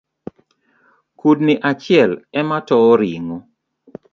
Kudni achielematowo ringo